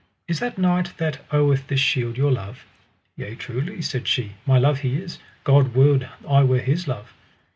Is that knight that oweth this shield your love? Yea truly, said she, my love he is, God would I were his love.